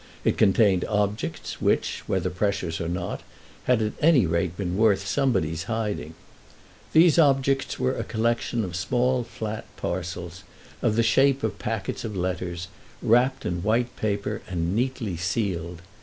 It contained objects which, whether precious or not, had at any rate been worth somebody's hiding. These objects were a collection of small flat parcels, of the shape of packets of letters, wrapped in white paper and neatly sealed.